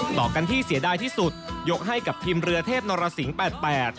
กลับกันที่เสียดายที่สุดยกให้กับทีมเรือเทพนรสิงค์๘๘